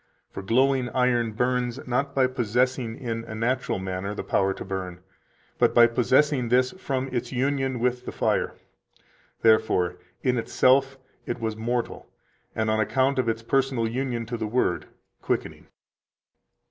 For glowing iron burns not by possessing in a natural manner the power to burn, but by possessing this from its union with the fire. Therefore in itself it was mortal, and on account of its personal union to the Word, quickening."